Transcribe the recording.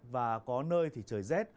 và có nơi thì trời rét